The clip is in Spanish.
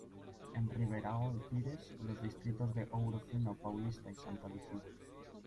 En Ribeirão Pires, los distritos de Ouro Fino Paulista y Santa Luzia.